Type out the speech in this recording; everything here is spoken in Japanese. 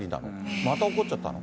また起こっちゃったの？